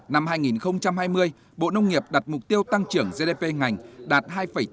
năm hai nghìn hai mươi bộ nông nghiệp đặt mục tiêu tăng trưởng gdp ngành đạt hai tám mươi